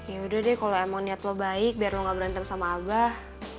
yaudah deh kalau emang niat lo baik biar lo gak berantem sama abah